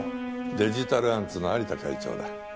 デジタルアンツの蟻田会長だ。